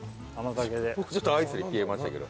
僕ちょっとアイスで冷えましたけど。